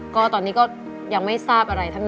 ก็ตอนนี้ก็ยังไม่ทราบอะไรทั้งนั้น